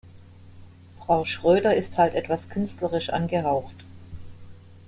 Frau Schröder ist halt etwas künstlerisch angehaucht.